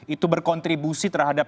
itu berkontribusi terhadap